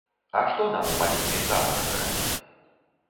А што нам у маленькіх залах граць!?